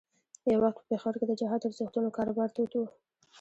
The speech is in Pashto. یو وخت په پېښور کې د جهاد ارزښتونو کاروبار تود شو.